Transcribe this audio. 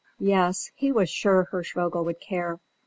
Yes, he was sure Hirschvogel would care.